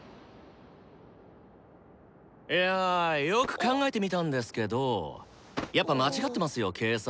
いやよく考えてみたんですけどやっぱ間違ってますよ計算。